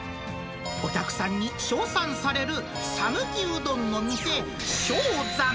お客さんに称賛される讃岐うどんの店、賞ざん。